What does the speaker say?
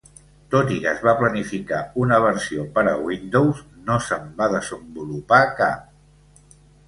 Tot i que es va planificar una versió per a Windows, no se'n va desenvolupar cap.